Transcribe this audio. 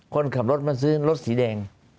คนขับรถมาซื้อรถสีแดง